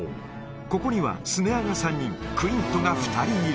ここにはスネアが３人、クイントが２人いる。